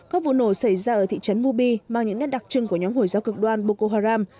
các vụ nổ xảy ra ở thị trấn mubi mang những nét đặc trưng của nhóm hồi giáo cực đoan boko haram